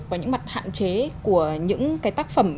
và những mặt hạn chế của những cái tác phẩm